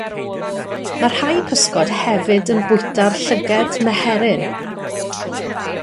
Mae rhai pysgod hefyd yn bwyta'r llygaid meheryn.